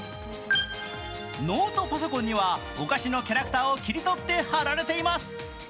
ノートパソコンにはお菓子のキャラクターを切り取って貼られています。